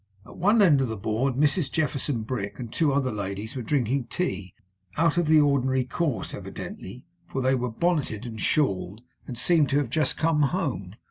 At one end of the board Mrs Jefferson Brick and two other ladies were drinking tea; out of the ordinary course, evidently, for they were bonneted and shawled, and seemed to have just come home.